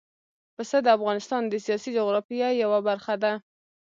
پسه د افغانستان د سیاسي جغرافیه یوه برخه ده.